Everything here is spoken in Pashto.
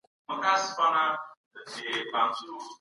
سياسي واک د واکمنانو له لوري انحصار سوی و.